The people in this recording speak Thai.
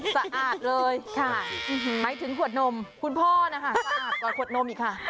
สะอาดเลยค่ะหมายถึงขวดนมคุณพ่อนะคะสะอาดกว่าขวดนมอีกค่ะ